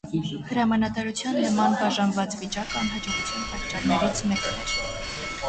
Հրամանատարության նման բաժանված վիճակը անհաջողության պատճառներից մեկն էր։